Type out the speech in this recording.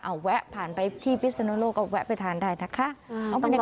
เอาแวะผ่านไปที่ฟิศนรกเอาแวะไปทานได้นะคะเอาบรรทิศ